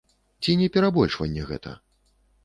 Ці не перабольшванне гэта?